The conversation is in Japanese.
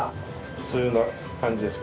普通な感じですか？